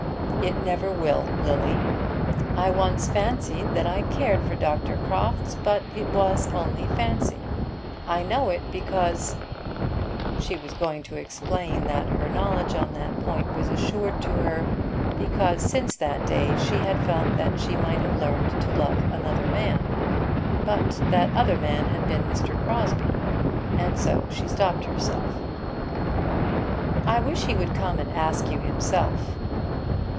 "It never will, Lily. I once fancied that I cared for Dr. Crofts, but it was only fancy. I know it, because " She was going to explain that her knowledge on that point was assured to her, because since that day she had felt that she might have learned to love another man. But that other man had been Mr. Crosbie, and so she stopped herself. "I wish he would come and ask you himself."